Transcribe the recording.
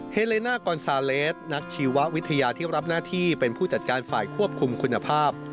เลน่ากอนซาเลสนักชีววิทยาที่รับหน้าที่เป็นผู้จัดการฝ่ายควบคุมคุณภาพ